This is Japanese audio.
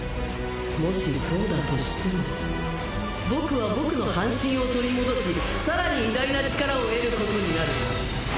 もしそうだとしても僕は僕の半身を取り戻し更に偉大な力を得ることになる。